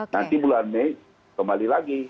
nanti bulan mei kembali lagi